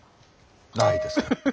ないですよね。